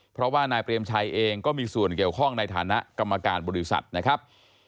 เพราะว่านายเปรมชัยเองก็มีส่วนเกี่ยวข้องในฐานะกรรมการบริษัทนะครับ